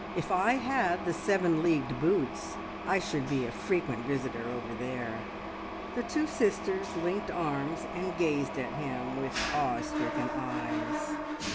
If I had the seven leagued boots, I should be a frequent visitor over there." The two sisters linked arms, and gazed at him with awe stricken eyes.